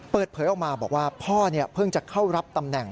เปิดเผยออกมาบอกว่าพ่อเพิ่งจะเข้ารับตำแหน่ง